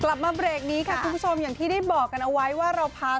กลับมาเบรกนี้ค่ะคุณผู้ชมอย่างที่ได้บอกกันเอาไว้ว่าเราพา